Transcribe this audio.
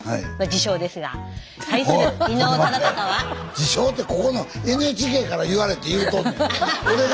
自称ってここのＮＨＫから言われて言うとんねん！